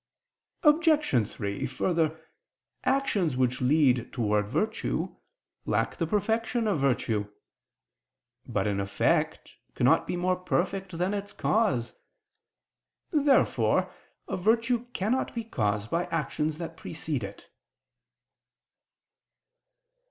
Obj. 3: Further, actions which lead toward virtue, lack the perfection of virtue. But an effect cannot be more perfect than its cause. Therefore a virtue cannot be caused by actions that precede it.